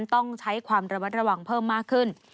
ต้องใช้ความระมัดระวังเพิ่มมากขึ้น